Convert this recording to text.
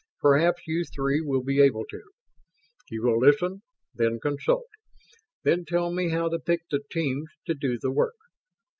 Perhaps you three will be able to. You will listen, then consult, then tell me how to pick the teams to do the work.